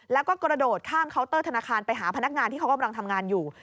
แล้วก็กระโดดข้ามเคาน์เตอร์ธนาคารไปหาพนักงานที่เขากำลังทำงานอยู่